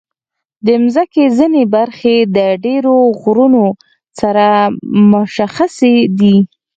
د مځکې ځینې برخې د ډېرو غرونو سره مشخصې دي.